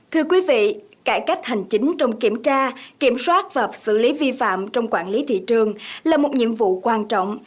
thưa quý vị cải cách hành chính trong kiểm tra kiểm soát và xử lý vi phạm trong quản lý thị trường là một nhiệm vụ quan trọng